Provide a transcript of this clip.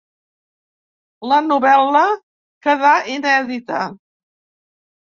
La novel·la queda inèdita.